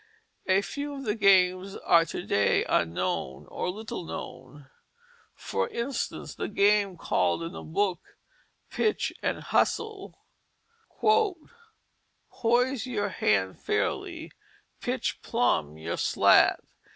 A few of the games are to day unknown, or little known; for instance, the game called in the book "Pitch and Hussel." "Poise your hand fairly, Pitch plumb your Slat.